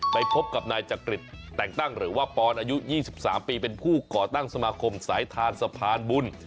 ไปพบกับนายจักริตแต่งตั้งหรือว่าปอนอายุ๒๓ปีเป็นผู้ก่อตั้งสมาคมสายทานสะพานบุญ